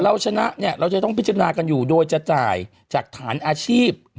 เราชนะเราจะต้องพิจารณากันอยู่โดยจะจ่ายจากฐานอาชีพ